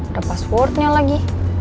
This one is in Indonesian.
udah passwordnya lagi